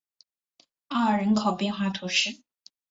奥尔人口变化图示